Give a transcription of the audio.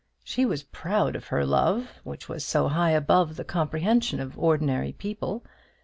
She was proud of her love, which was so high above the comprehension of ordinary people.